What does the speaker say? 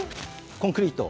コンクリート？